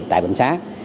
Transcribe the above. tại bệnh sát